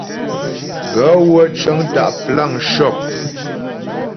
Gaə̂ wə́ cə́ŋ tá' plan shɔ́p.